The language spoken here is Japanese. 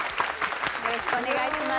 よろしくお願いします。